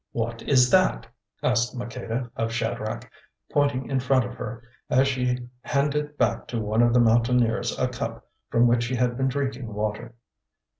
"What is that?" asked Maqueda, of Shadrach, pointing in front of her, as she handed back to one of the Mountaineers a cup from which she had been drinking water.